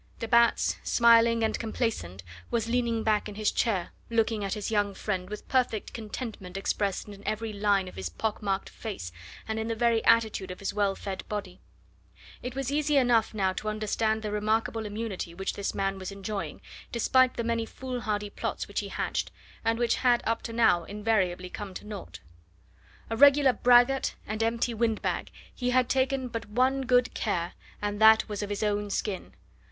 De Batz, smiling and complacent, was leaning back in his chair, looking at his young friend with perfect contentment expressed in every line of his pock marked face and in the very attitude of his well fed body. It was easy enough now to understand the remarkable immunity which this man was enjoying, despite the many foolhardy plots which he hatched, and which had up to now invariably come to naught. A regular braggart and empty windbag, he had taken but one good care, and that was of his own skin.